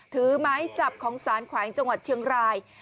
ถือหมายจับของศาลขวายจังหวัดเชียงราย